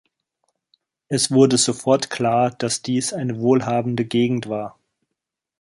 Es wurde sofort klar, dass dies eine wohlhabende Gegend war.